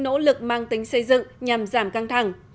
nỗ lực mang tính xây dựng nhằm giảm căng thẳng